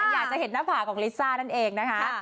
อยากจะเห็นหน้าผากของลิซ่านั่นเองนะคะ